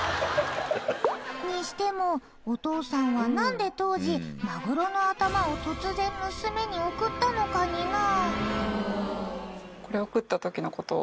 にしてもお父さんは何で当時マグロの頭を突然娘に送ったのかになぁ。